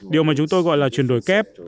điều mà chúng tôi gọi là chuyển đổi kép